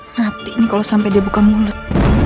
mati ini kalau sampai dia buka mulut